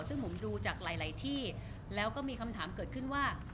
ซึ่งผมดูจากหลายที่แล้วก็มีคำถามเกิดขึ้นว่า